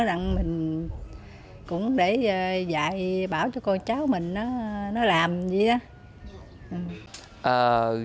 rằng mình cũng để dạy bảo cho con cháu mình nó làm vậy á